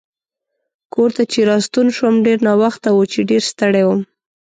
کور ته چې راستون شوم ډېر ناوخته و چې ډېر ستړی وم.